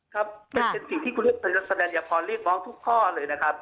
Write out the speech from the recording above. ครับเป็นสิ่งที่คุณพระอาจารย์สะดัดอยับพอลเรียกมองทุกข้อเลยนะครับ